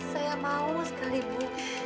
saya mau sekali bu